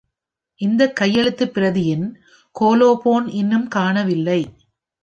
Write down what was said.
இந்த கையெழுத்துப் பிரதியின் கோலோபோன் இன்னும் காணவில்லை.